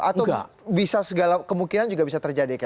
atau bisa segala kemungkinan juga bisa terjadi